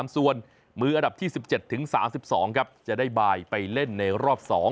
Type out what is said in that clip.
ส่วนมืออันดับที่๑๗ถึง๓๒จะได้บายไปเล่นในรอบ๒